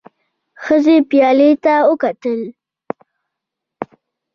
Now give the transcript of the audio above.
ښځې پيالې ته وکتل.